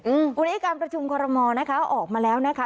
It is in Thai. อืมวันนี้การประชุมคอรมอลนะคะออกมาแล้วนะคะ